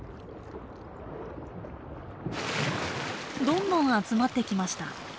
どんどん集まってきました。